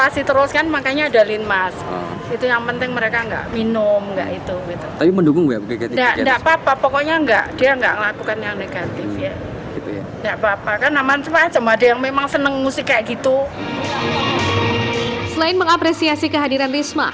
selain mengapresiasi kehadiran risma